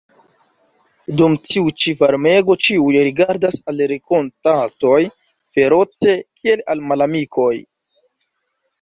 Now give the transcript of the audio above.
Dum tiu ĉi varmego ĉiuj rigardas al renkontatoj feroce, kiel al malamikoj.